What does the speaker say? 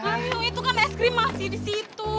ayo itu kan es krim masih disitu